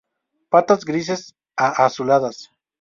Patas grises a azuladas.